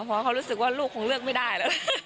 เพราะเขารู้สึกว่าลูกคงเลือกไม่ได้แล้ว